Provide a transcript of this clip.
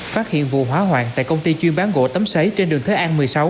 phát hiện vụ hỏa hoạn tại công ty chuyên bán gỗ tấm sấy trên đường thế an một mươi sáu